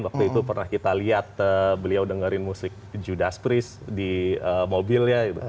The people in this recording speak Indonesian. waktu itu pernah kita lihat beliau dengerin musik judas price di mobilnya